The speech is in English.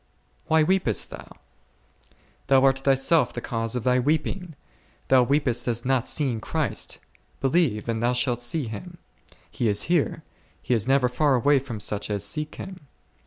Why weepest thou ? Thou art thyself the cause of thy weeping ; thou weepest as not seeing Christ ; believe, and thou shalt see Him ; He is here, He is never far away from such as seek Him.